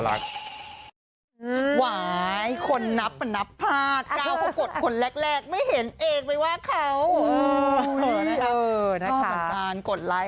แล้วเราก็รู้สึกว่ามันก็สวย